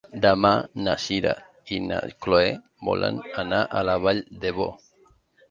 Demà na Sira i na Chloé volen anar a la Vall d'Ebo.